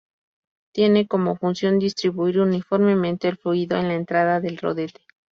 Tiene como función distribuir uniformemente el fluido en la entrada del rodete.